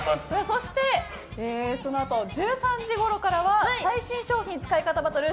そしてそのあと１３時ごろからは最新商品使い方バトル！